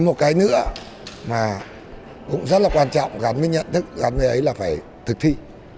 một cái nữa mà cũng rất là quan trọng gắn với nhận thức gắn với ấy là phải thực thi